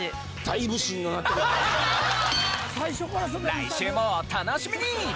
来週もお楽しみに！